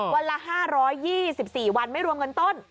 วันละ๕๒๔วันไม่รวมเงินต้น